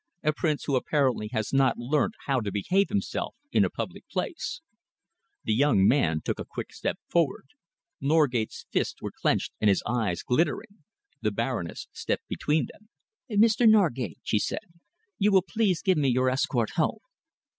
"A prince who apparently has not learnt how to behave himself in a public place." The young man took a quick step forward. Norgate's fists were clenched and his eyes glittering. The Baroness stepped between them. "Mr. Norgate," she said, "you will please give me your escort home."